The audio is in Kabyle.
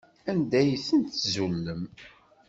Anda ay tent-tzulem?